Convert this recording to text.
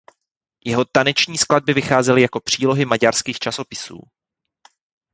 Jeho taneční skladby vycházely jako přílohy maďarských časopisů.